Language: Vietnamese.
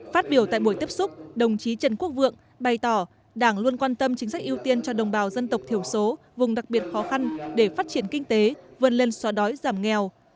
phát biểu tại buổi tiếp xúc đồng chí trần quốc vượng bày tỏ đảng luôn quan tâm chính sách ưu tiên cho đồng bào dân tộc thiểu số vùng đặc biệt khó khăn để phát triển kinh tế vươn lên xóa đói giảm nghèo